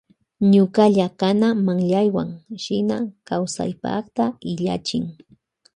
Ñukalla kana manllaywan shina kawsaypakta illachin.